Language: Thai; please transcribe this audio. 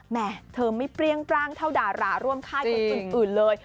แม่เธอไม่เปรี้ยงปร่างเท่าดาราร่วมค่ายคนอื่นเลย